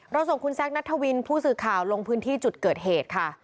ส่งคุณแซคนัทวินผู้สื่อข่าวลงพื้นที่จุดเกิดเหตุค่ะ